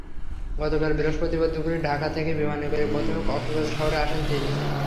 গতকাল বৃহস্পতিবার দুপুরে ঢাকা থেকে বিমানে করে প্রথমে কক্সবাজার শহরে আসেন তিনি।